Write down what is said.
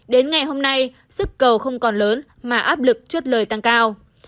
đến ngày hôm nay sức cầu không còn lớn mà áp lực chốt lời tăng cao